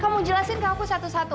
kamu jelasin ke aku satu satu